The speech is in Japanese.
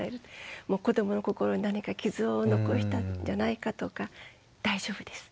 子どもの心に何か傷を残したんじゃないかとか大丈夫です。